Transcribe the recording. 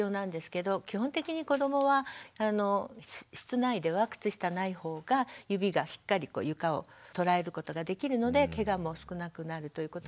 基本的に子どもは室内では靴下ない方が指がしっかり床を捉えることができるのでケガも少なくなるということもあるし。